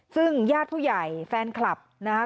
ซึ่งญาติผู้ใหญ่แฟนคลับนะคะ